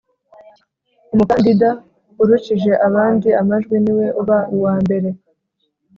umukandida urushije abandi amajwi ni we uba uwambere